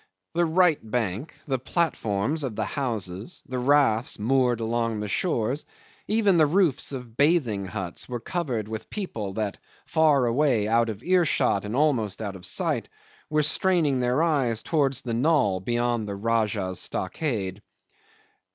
The right bank, the platforms of the houses, the rafts moored along the shores, even the roofs of bathing huts, were covered with people that, far away out of earshot and almost out of sight, were straining their eyes towards the knoll beyond the Rajah's stockade.